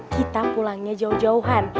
kita pulangnya jauh jauhan